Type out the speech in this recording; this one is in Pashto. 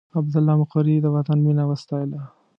عبدالله مقري د وطن مینه وستایله.